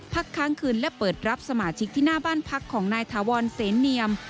ค้างคืนและเปิดรับสมาชิกที่หน้าบ้านพักของนายถาวรเสนเนียม